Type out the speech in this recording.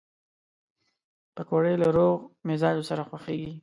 پکورې له روغ مزاجو سره خوښېږي